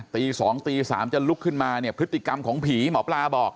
ตี๒ตี๓จะลุกขึ้นมาเนี่ยพฤติกรรมของผีหมอปลาบอก